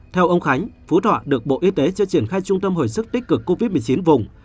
theo ông khánh phú thọ được bộ y tế cho triển khai trung tâm hồi sức tích cực covid một mươi chín vùng